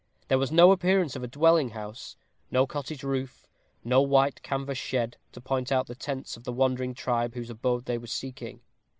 There was no appearance of a dwelling house no cottage roof, no white canvas shed, to point out the tents of the wandering tribe whose abode they were seeking.